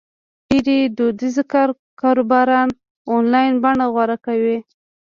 ډېری دودیز کاروبارونه آنلاین بڼه غوره کوي.